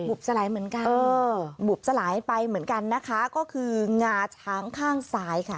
บสลายเหมือนกันบุบสลายไปเหมือนกันนะคะก็คืองาช้างข้างซ้ายค่ะ